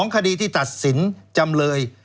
คดีที่ตัดสินจำเลย